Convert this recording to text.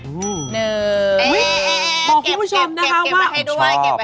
เก็บพี่ผู้ชมนะคะไม่ขอบ